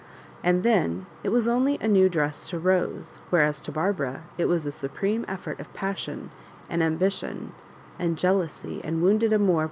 And then It was only a new dress to Rose, whereas to Barbara it was a supreme effort of passion and ambition and jealousy and wounded amour